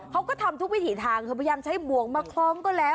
เขาก็ทำทุกวิถีทางเธอพยายามใช้บ่วงมาคล้องก็แล้ว